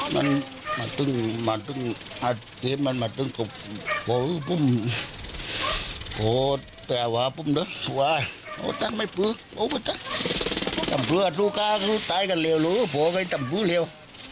ส่ายกันเร็วหรือผัวกันจำนัมดรุ้งเร็ว